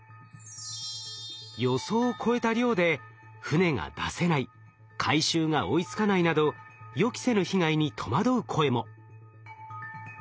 予想を超えた量で船が出せない回収が追いつかないなど予期せぬ被害に戸惑う声も。